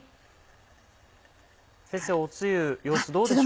先生お汁様子どうでしょう。